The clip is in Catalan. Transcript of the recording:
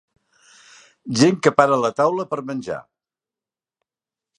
Gent que para la taula per menjar.